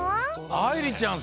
あいりちゃん